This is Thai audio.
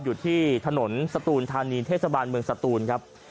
อยู่ที่ถนนสตูนธานีเทศบาลเมืองสตูนครับ